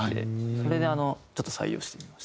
それであのちょっと採用してみました。